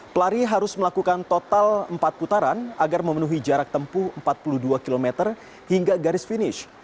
pelari harus melakukan total empat putaran agar memenuhi jarak tempuh empat puluh dua km hingga garis finish